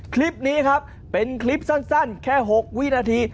คลิปนี้ครับเป็นคลิปสั้นแค่๖วินาที